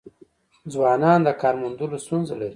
ځوانان د کار موندلو ستونزه لري.